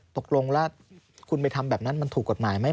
ตกลงแล้วคุณไปทำแบบนั้นมันถูกกฎหมายไหม